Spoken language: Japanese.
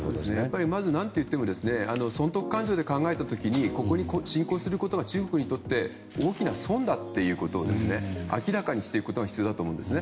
まずは何といっても損得勘定で考えた時にここに侵攻することが中国にとって大きな損だということを明らかにしていくことが必要だと思います。